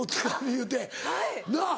言うてなぁ。